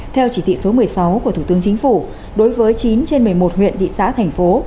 theo chỉ thị số một mươi sáu của thủ tướng chính phủ đối với chín trên một mươi một huyện thị xã thành phố